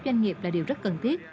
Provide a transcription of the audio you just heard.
các doanh nghiệp là điều rất cần thiết